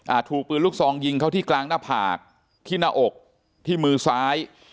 ถูกปืนลูกซองยิงเขาที่กลางหน้าผากที่หน้าอกที่มือซ้าย